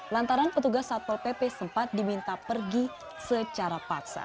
lantaran petugas satpol pp sempat diminta pergi secara paksa